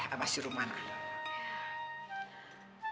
sama si rumah nak